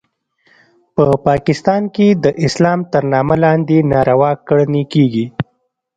په پاکستان کې د اسلام تر نامه لاندې ناروا کړنې کیږي